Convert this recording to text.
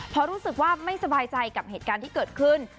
เพราะรู้สึกว่าไม่สบายใจกับเหตุการณ์ที่เกิดขึ้น